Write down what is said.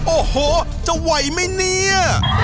โอ้โหจะไหวไหมเนี่ย